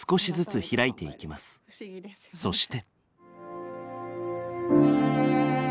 そして。